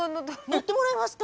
乗ってもらえますかね。